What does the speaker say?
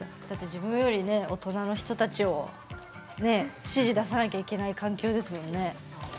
自分より大人の人たちを、指示出さなきゃいけない環境ですもんね。